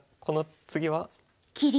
この次は？